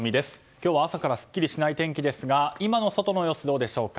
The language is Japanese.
今日は朝からすっきりしない天気ですが今の外の様子はどうでしょうか。